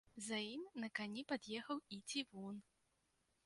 За ім на кані пад'ехаў і цівун.